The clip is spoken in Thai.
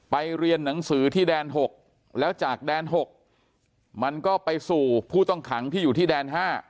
เรียนหนังสือที่แดน๖แล้วจากแดน๖มันก็ไปสู่ผู้ต้องขังที่อยู่ที่แดน๕